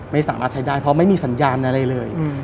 ไม่สามารถใช้ได้เพราะไม่มีสัญญาณอะไรเลย